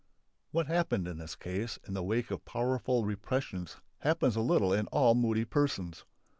What happened in this case in the wake of powerful repressions happens a little in all moody persons.